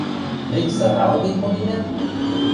– Мӹнь сыралыде коденӓм?!